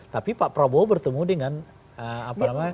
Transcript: tapi pak prabowo bertemu dengan apa namanya